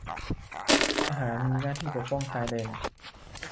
ทหารมีหน้าที่ปกป้องชายแดน